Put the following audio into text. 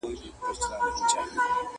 سپکاوی تر اندازې تېر سو د مړو.!